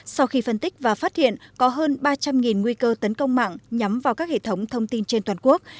sau khi phân tích và phát hiện có hơn ba trăm linh nguy cơ tấn công mạng nhắm vào các hệ thống thông tin trên toàn quốc